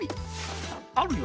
あるよ